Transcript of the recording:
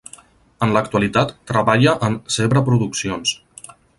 En l'actualitat treballa en Zebra Produccions.